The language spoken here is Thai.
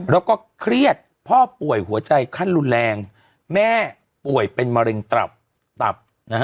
แล้วก็เครียดพ่อป่วยหัวใจขั้นรุนแรงแม่ป่วยเป็นมะเร็งตับตับนะฮะ